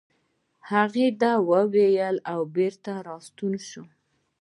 هغه دا وويل او بېرته راستون شو.